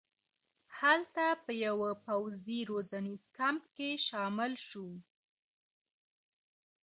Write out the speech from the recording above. هلته په یوه پوځي روزنیز کمپ کې شامل شو.